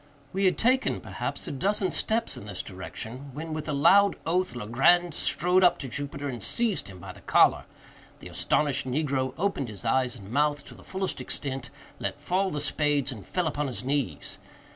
We had taken, perhaps, a dozen steps in this direction, when, with a loud oath, Legrand strode up to Jupiter, and seized him by the collar. The astonished negro opened his eyes and mouth to the fullest extent, let fall the spades, and fell upon his knees.